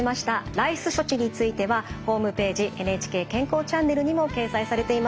ＲＩＣＥ処置についてはホームページ「ＮＨＫ健康チャンネル」にも掲載されています。